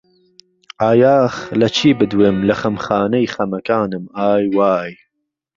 ئایاخ لە چی بدوێم لە خەمخانەی خەمەکانم ئای وای